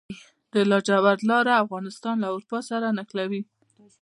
د لاجوردو لاره افغانستان له اروپا سره نښلوي